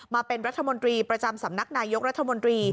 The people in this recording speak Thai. มาเป็นรัฐมนตรีประจำสำนักนายกรัฐมนตรี